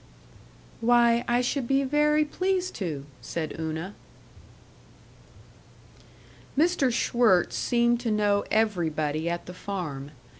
"Why, I should be very pleased to," said Una. § 2 Mr. Schwirtz seemed to know everybody at the farm.